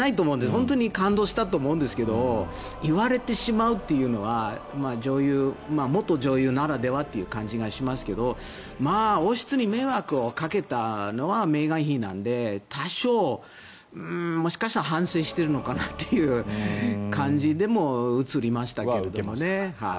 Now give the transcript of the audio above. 本当に感動したと思うんですが言われてしまうというのは元女優ならではという感じがしますが王室に迷惑かけたのはメーガン妃なので多少、もしかしたら反省しているのかなっていう感じでも映りましたけれどね。